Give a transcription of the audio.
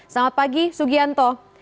selamat pagi sugianto